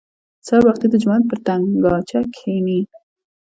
سهار وختي د جومات پر تنګاچه کښېني.